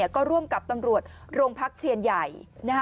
ก็ร่วมกับตำรวจโรงพักเชียนใหญ่